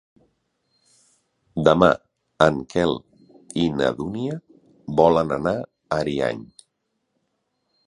Demà en Quel i na Dúnia volen anar a Ariany.